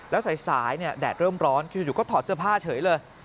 แล้วสายแดดเริ่มร้อนอยู่ก็ถอดเสื้อผ้าเฉยเลย